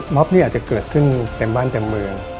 อาจจะเกิดขึ้นเต็มบ้านเต็มเมือง